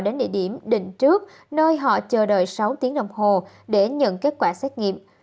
đến địa điểm định trước nơi họ chờ đợi sáu tiếng đồng hồ để nhận kết quả xét nghiệm